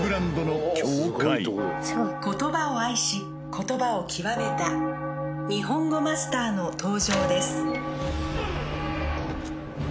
言葉を愛し言葉を極めた日本語マスターの登場です・